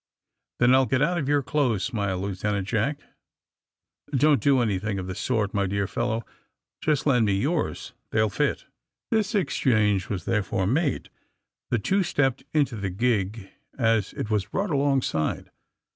*^Then I'll get out of your clothes," smiled Lieutenant Jack. 188 THE SUBMAEINE BOYS Don't do anything of tlie sort, my dear fel low. Just lend me yonrs. They'll fit." This exchange was therefore made. The two stepped into the gig as it was brought alongside.